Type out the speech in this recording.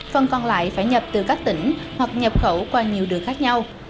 phần còn lại phải nhập từ các tỉnh hoặc nhập khẩu qua nhiều đường khác nhau